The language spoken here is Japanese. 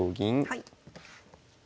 はい。